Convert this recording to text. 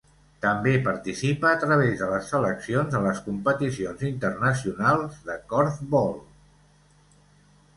També participa a través de les seleccions a les competicions internacionals de corfbol.